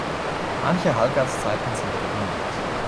Manche Halbwertszeiten sind gerundet.